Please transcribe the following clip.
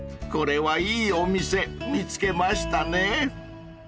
［これはいいお店見つけましたね］